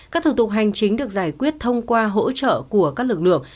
các thủ tục hành chính được giải quyết thông qua hỗ trợ của các lực lượng